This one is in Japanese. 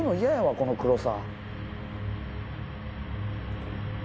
この黒さ。